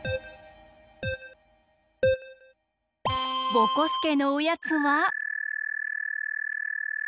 ぼこすけのおやつは。